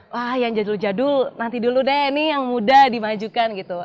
wah yang jadul jadul nanti dulu deh ini yang muda dimajukan gitu